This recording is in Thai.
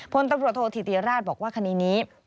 พนตมโทษธิติราชบอกว่าคณีนี้